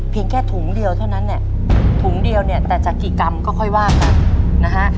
แค่ถุงเดียวเท่านั้นเนี่ยถุงเดียวเนี่ยแต่จะกี่กรัมก็ค่อยว่ากันนะฮะ